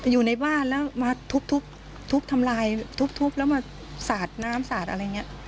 อยู่ในบ้านแล้วมาทุบทำลายทุบแล้วมาสาดน้ำสาดอะไรอย่างนี้